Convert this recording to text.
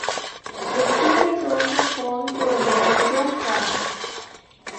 The school is also home to a bilingual program.